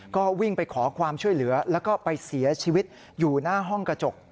ก็วิ่งไปขอความช่วยเหลือแล้วก็ไปเสียชีวิตอยู่หน้าห้องกระจก